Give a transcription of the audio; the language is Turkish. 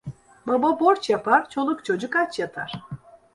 Baba borç yapar çoluk çocuk aç yatar.